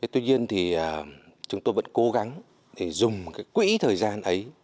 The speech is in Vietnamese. tuy nhiên thì chúng tôi vẫn cố gắng để dùng cái quỹ thời gian ấy